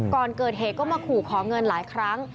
ก่อนเกิดเหตุก็มาขู่ขอเงินหลายครั้ง